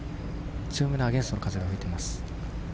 強めのアゲンストの風が吹いています。